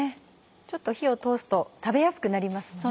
ちょっと火を通すと食べやすくなりますもんね。